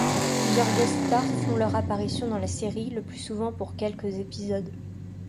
Plusieurs guest-stars font leur apparition dans la série, le plus souvent pour quelques épisodes.